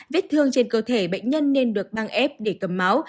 vết thương trên cơ thể bệnh nhân nên được băng ép để cầm máu